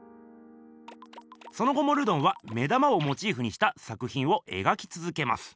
その後もルドンは目玉をモチーフにした作ひんを描きつづけます。